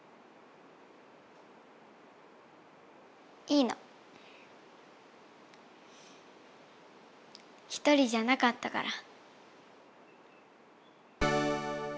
いいの一人じゃなかったから。